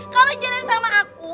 kamu jalan sama aku